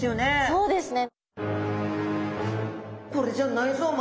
そうですね。